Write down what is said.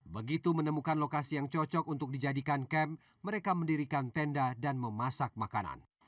begitu menemukan lokasi yang cocok untuk dijadikan kamp mereka mendirikan tenda dan memasak makanan